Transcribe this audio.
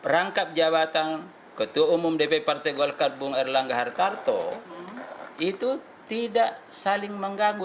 rangkap jabatan ketua umum dpp partai golkar bung erlangga hartarto itu tidak saling mengganggu